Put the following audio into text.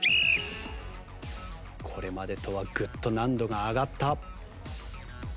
これまでとはグッと難度が上がった。